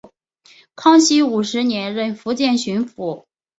康熙五十年任福建巡抚。